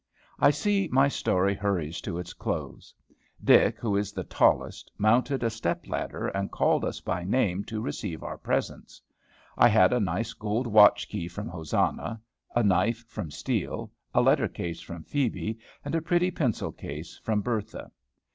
I see my story hurries to its close. Dick, who is the tallest, mounted a step ladder, and called us by name to receive our presents. I had a nice gold watch key from Hosanna, a knife from Steele, a letter case from Phebe, and a pretty pencil case from Bertha.